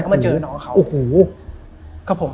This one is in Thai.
ครับผม